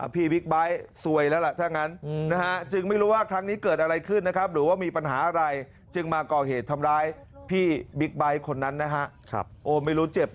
พี่บิ๊กไบท์สวยแล้วละไหม